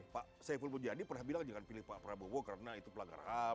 pak saiful mujadi pernah bilang jangan pilih pak prabowo karena itu pelanggaran ham